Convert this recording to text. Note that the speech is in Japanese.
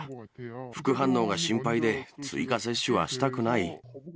副反応が心配で追加接種はしたくない。